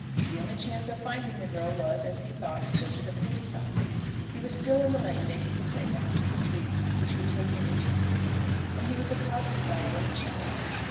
The only chance of finding the girl was, as he thought, to go to the police office. He was still in the lane, making his way back to the street which would take him into the city, when he was accosted by a little child.